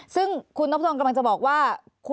ซึ่งคุณนพดลกำลังจะบอกว่า